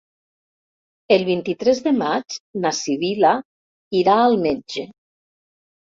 El vint-i-tres de maig na Sibil·la irà al metge.